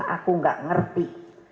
aku gak ngerti